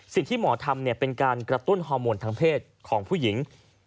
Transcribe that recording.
สิ่งที่หมอทำเป็นการกระตุ้นฮอร์โมนทางเพศของผู้หญิง